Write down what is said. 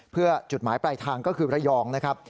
เพื่อจุดหมายปลายทางก็คือระยองนะครับ